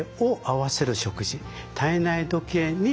合わせる食事体内時計「に」